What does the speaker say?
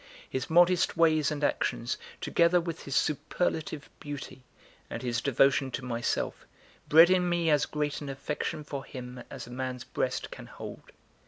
His modest ways and actions, together with his superlative beauty and his devotion to myself, bred in me as great an affection for him as a man's breast can hold.